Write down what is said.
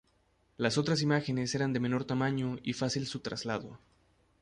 Las otras imágenes eran de menor tamaño y fácil su traslado.